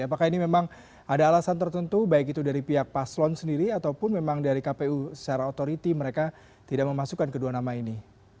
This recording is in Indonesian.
apakah ini memang ada alasan tertentu baik itu dari pihak paslon sendiri ataupun memang dari kpu secara otoriti mereka tidak memasukkan kedua nama ini